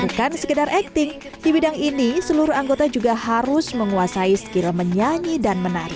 bukan sekedar acting di bidang ini seluruh anggota juga harus menguasai skill menyanyi dan menari